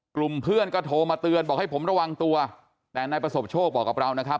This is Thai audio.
กลุ่มเพื่อนก็โทรมาเตือนบอกให้ผมระวังตัวแต่นายประสบโชคบอกกับเรานะครับ